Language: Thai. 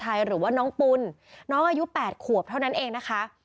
หรือว่าน้องปุ่นน้องอายุ๘ขวบเท่านั้นเองนะคะ